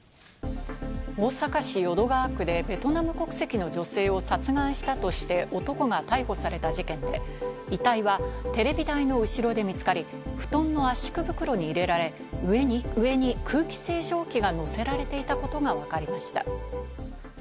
大阪市淀川区でベトナム国籍の女性を殺害したとして男が逮捕された事件で、遺体はテレビ台の後ろで見つかり、布団の圧縮袋に入れられ、上に空気清浄機が乗せられていたことがわかりました。